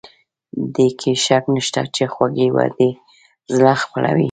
دې کې شک نشته چې خوږې وعدې زړه خپلوي.